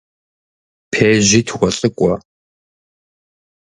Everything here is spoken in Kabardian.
Пежьи тхуэлӏыкӏуэ.